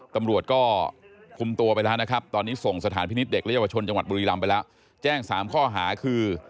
ตำรวจก็คุมตัวไปแล้วนะครับตอนนี้ส่งสถานพินิษฐเด็กและเยาวชนจังหวัดบุรีรำไปแล้วแจ้ง๓ข้อหาคือ